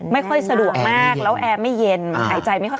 ไม่ค่อยสะดวกมากแล้วแอร์ไม่เย็นหายใจไม่ค่อย